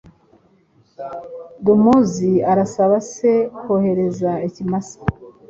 Dumuzi arasaba se kohereza Ikimasa